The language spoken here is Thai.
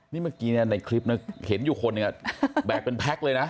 นี่เมื่อกี้ในคลิปนะเห็นอยู่คนหนึ่งแบกเป็นแพ็คเลยนะ